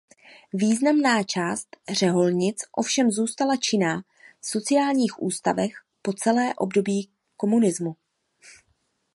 Významná část řeholnic ovšem zůstala činná v sociálních ústavech po celé období komunismu.